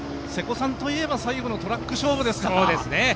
瀬古さんといえば最後のトラック勝負ですからね。